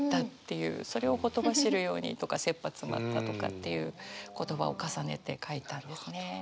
それを「ほとばしるように」とか「切羽詰まった」とかっていう言葉を重ねて書いたんですね。